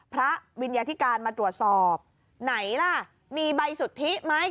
วิญญาธิการมาตรวจสอบไหนล่ะมีใบสุทธิไหม